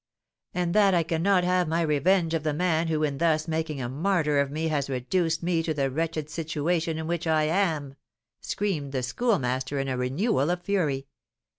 "And that I cannot have my revenge of the man who in thus making a martyr of me has reduced me to the wretched situation in which I am!" screamed the Schoolmaster, in a renewal of fury.